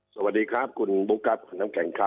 สวัสดีครับคุณบุ๊คครับคุณน้ำแข็งครับ